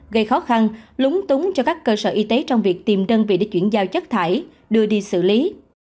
gây khó khăn lúng túng cho các cơ sở y tế trong việc tìm đơn vị để chuyển giao chất thải đưa đi xử lý